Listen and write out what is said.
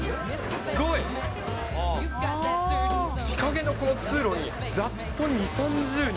日陰のこの通路にざっと２、３０人。